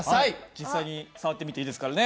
実際に触ってみていいですからね。